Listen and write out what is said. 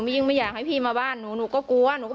จับหนูเขาหาอะไรอีกอ้าวไม่รู้ก็ลองดูได้